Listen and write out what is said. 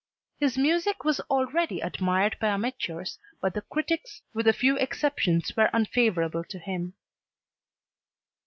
His music was already admired by amateurs but the critics with a few exceptions were unfavorable to him.